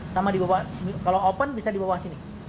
sama dibawah kalau open bisa dibawah sini